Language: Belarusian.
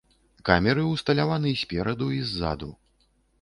Камеры ўсталяваны спераду і ззаду.